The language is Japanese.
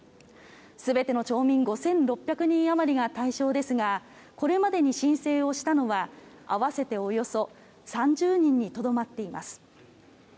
全ての町民５６００人あまりが対象ですがこれまでに申請をしたのは合わせておよそ３０人にとどまっています。